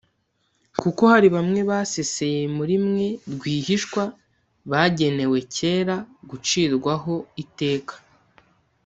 kuko hariho bamwe baseseye muri mwe rwihishwa bagenewe kera gucirwa ho iteka